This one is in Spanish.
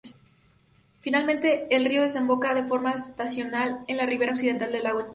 Finalmente el río desemboca, de forma estacional, en la ribera occidental del lago Chad.